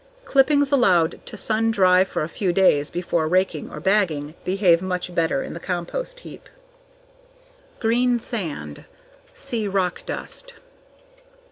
Clippings allowed to sun dry for a few days before raking or bagging behave much better in the compost heap. Greensand. See _Rock dust.